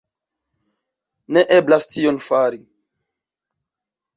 Ne eblas tion fari.